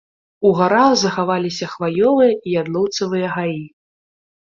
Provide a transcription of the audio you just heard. У гарах захаваліся хваёвыя і ядлаўцовыя гаі.